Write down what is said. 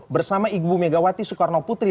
bersama ibu megawati soekarno putri